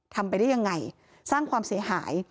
ทำไปได้ยังไงสร้างความเสียหาย